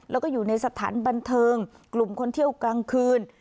แล้วก็อยู่ในสถานบันเทิงกลุ่มคนเที่ยวกลางคืน